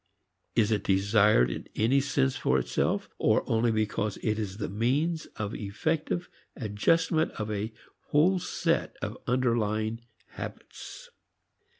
Is it desired in any sense for itself, or only because it is the means of effective adjustment of a whole set of underlying habits?